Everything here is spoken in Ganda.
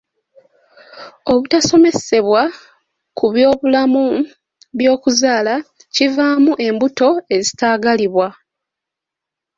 Obutasomesebwa ku byobulamu by'okuzaala kivaamu embuto ezitaagalibwa.